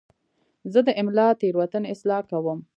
زه د املا تېروتنې اصلاح کوم.